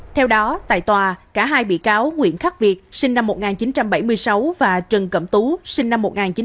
theo đó tại tòa cả hai bị cáo nguyễn khắc việt sinh năm một nghìn chín trăm bảy mươi sáu và trần cẩm tú sinh năm một nghìn chín trăm tám mươi